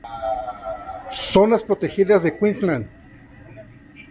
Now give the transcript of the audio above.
Zonas protegidas de Queensland